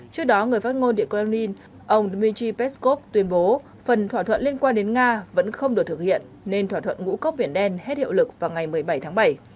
trước đó người phát ngôn điện kremlin ông dmitry peskov tuyên bố phần thỏa thuận liên quan đến nga vẫn không được thực hiện nên thỏa thuận ngũ cốc biển đen hết hiệu lực vào ngày một mươi bảy tháng bảy